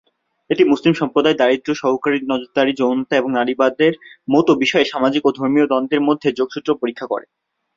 এটি মুসলিম সম্প্রদায়, দারিদ্র্য, সরকারী নজরদারি, যৌনতা এবং নারীবাদের মতো বিষয়ে সামাজিক ও ধর্মীয় দ্বন্দ্বের মধ্যে যোগসূত্র পরীক্ষা করে।